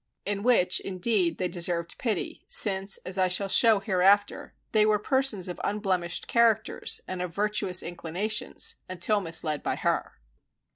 In which, indeed, they deserved pity, since, as I shall show hereafter, they were persons of unblemished characters, and of virtuous inclinations, until misled by her.